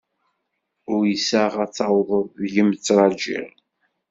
Uyseɣ ar d-tawḍeḍ, deg-m ttrajiɣ.